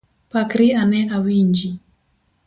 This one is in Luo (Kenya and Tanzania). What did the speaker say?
Pakri ane awinji.